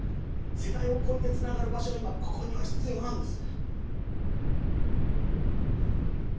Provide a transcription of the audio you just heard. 世代を超えてつながる場所が今ここには必要なんです。